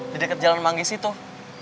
di dekat jalan manggisi tuh